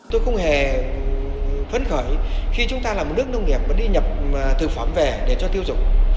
tôi không hề phấn khởi khi chúng ta là một nước nông nghiệp mà đi nhập thực phẩm về để cho tiêu dùng